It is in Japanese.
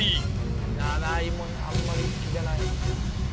７位もあんまり好きじゃない。